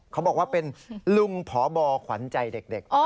เขาบอกว่าเป็นลุงพบขวัญใจเด็ก